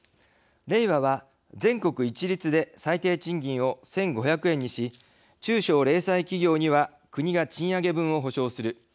れいわは、全国一律で最低賃金を１５００円にし中小零細企業には国が賃上げ分を補償する。